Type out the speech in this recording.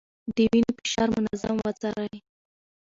د وينې فشار منظم وڅارئ.